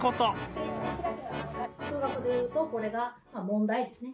数学で言うとこれが問題ですね。